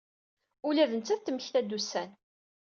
Ula d nettat temmekta-d ussan.